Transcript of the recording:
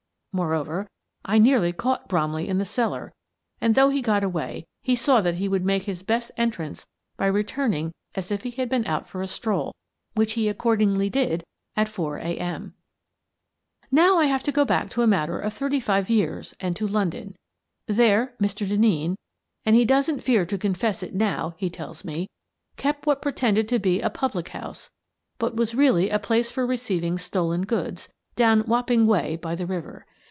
Moreover, I nearly caught Bromley in the cellar, and, though he got away, he saw that he would make his best entrance by returning as if he had been out for a stroll — which he accordingly did, at four a. m. " Now I have to go back a matter of thirty five years and to London. There Mr. Denneen — and he doesn't fear to confess it now, he tells me — kept what pretended to be a public house, but was really a place for receiving stolen goods, down Wapping way by the river.